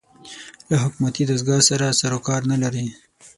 له حکومتي دستګاه سره سر و کار نه لري